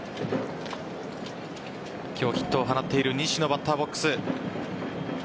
今日、ヒットを放っている西野バッターボックス。